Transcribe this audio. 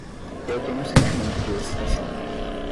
Eu tenho um sentimento de excitação